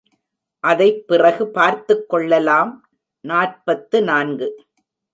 அதைப்பிறகு பார்த்துக்கொள்ளலாம் நாற்பத்து நான்கு.